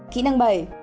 kỹ năng bảy